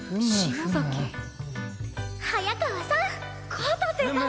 片瀬さん。